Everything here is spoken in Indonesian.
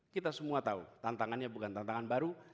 kita semua tahu tantangannya bukan tantangan baru